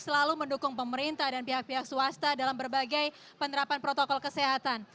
dan selalu mendukung pemerintah dan pihak pihak swasta dalam berbagai penerapan protokol kesehatan